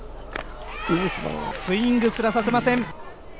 スイングすらさせません。